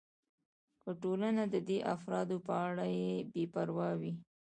که ټولنه د دې افرادو په اړه بې پروا وي.